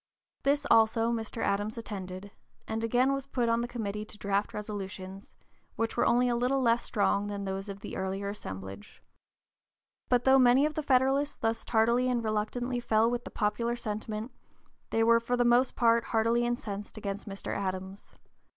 This also (p. 052) Mr. Adams attended, and again was put on the committee to draft resolutions, which were only a little less strong than those of the earlier assemblage. But though many of the Federalists thus tardily and reluctantly fell in with the popular sentiment, they were for the most part heartily incensed against Mr. Adams.